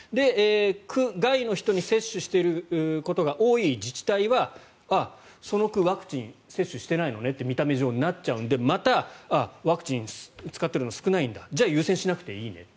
区外の人に接種していることが多い自治体はその区ワクチン接種してないのねと見た目上なっちゃうのでまた、ワクチンを使っているの少ないんだじゃあ優先しなくていいねと。